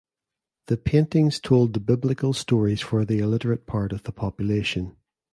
The paintings told the biblical stories for the illiterate part of the population.